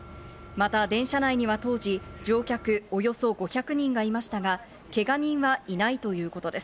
また電車内には当時、乗客およそ５００人がいましたが、けが人はいないということです。